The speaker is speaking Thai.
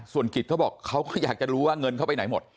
ส่วนกิจเขาบอกเขาก็อยากจะรู้ว่าเงินเข้าไปไหนหมด